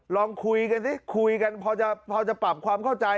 ลองคุยกันสิคุยกันพอจะปรับความเข้าใจ